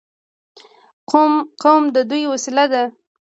قوم د دوی وسیله ده.